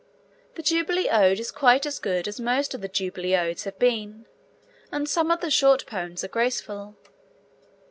The Jubilee Ode is quite as good as most of the Jubilee Odes have been, and some of the short poems are graceful.